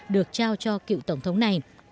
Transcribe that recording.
được trao cho cựu tổng thống này